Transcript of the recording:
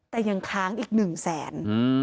แต่ยังคร้างอีกหนึ่งแสน